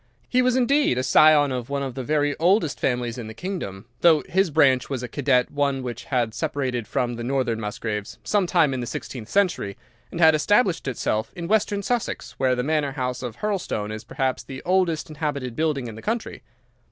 He was indeed a scion of one of the very oldest families in the kingdom, though his branch was a cadet one which had separated from the northern Musgraves some time in the sixteenth century, and had established itself in western Sussex, where the Manor House of Hurlstone is perhaps the oldest inhabited building in the county.